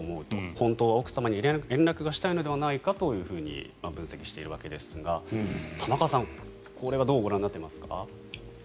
本当は奥様に連絡がしたいのではないかと分析しているんですが玉川さん、これはどうご覧になっていますか？